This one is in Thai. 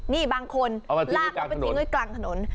นี่บางคนลากเขาไปทิ้งไว้กลางถนน